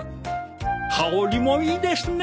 香りもいいですね。